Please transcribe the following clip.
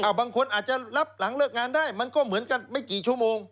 บางคนอาจจะรับหลังเลิกงานได้มันก็เหมือนกันไม่กี่ชั่วโมง